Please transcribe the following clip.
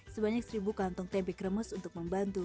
sebanyak seribu kantong tempe kremes untuk membantu